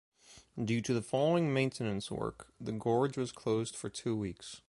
Due to the following maintenance work, the gorge was closed for two weeks.